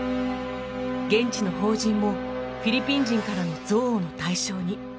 現地の邦人もフィリピン人からの憎悪の対象に。